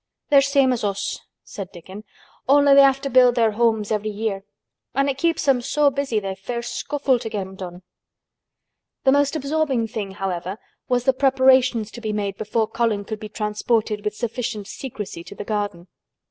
"They're same as us," said Dickon, "only they have to build their homes every year. An' it keeps 'em so busy they fair scuffle to get 'em done." The most absorbing thing, however, was the preparations to be made before Colin could be transported with sufficient secrecy to the garden.